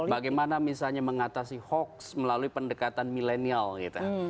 bagaimana misalnya mengatasi hoax melalui pendekatan milenial gitu